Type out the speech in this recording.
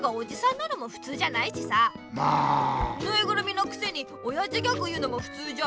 ぬいぐるみのくせにおやじギャグ言うのもふつうじゃ。